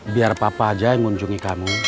biar papa aja yang ngunjungi kamu